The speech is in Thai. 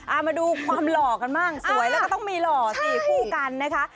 เอามาดูความหล่อกันบ้างสวยแล้วก็ต้องมีหล่อสี่คู่กันนะคะ